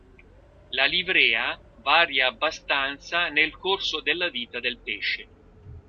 La livrea varia abbastanza nel corso della vita del pesce.